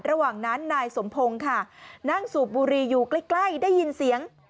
ระหว่างนั้นนายสมพงศ์ค่ะนั่งสูบบุรีอยู่ใกล้ได้ยินเสียง